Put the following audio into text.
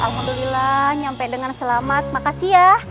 alhamdulillah nyampe dengan selamat makasih ya